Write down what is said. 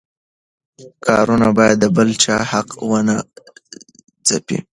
کارونه باید د بل چا حق ونه ځپي.